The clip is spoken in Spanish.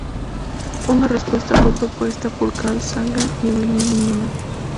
Una respuesta fue propuesta por Carl Sagan y William Newman.